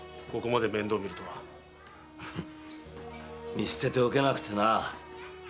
見捨てておけなくてな。